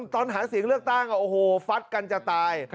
ตอนหาเสียงเลือกตั้งโอ้โหฟัดกันจะตาย